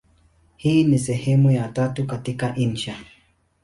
Hii ni sehemu ya tatu katika insha.